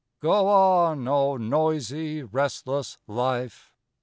Go on, oh, noisy, restless life!